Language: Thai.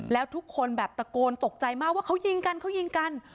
แล้วทุกคนแบบตะโกนตกใจมากว่าเขายิงกันเขายิงกัน